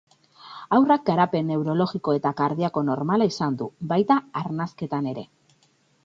Haurrak garapen neurologiko eta kardiako normala izan du, baita arnasketan ere.